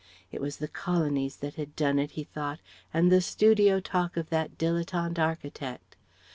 (It was the Colonies that had done it, he thought, and the studio talk of that dilettante architect.